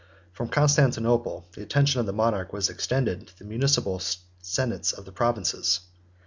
From Constantinople, the attention of the monarch was extended to the municipal senates of the provinces.